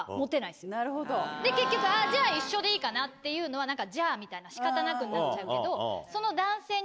結局じゃあ一緒でいいかなっていうのはじゃあみたいな仕方なくになっちゃうけど。